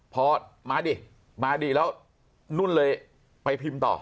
พอมาดิมาดิแล้วนุ่นเลยไปพิมพ์ต่อ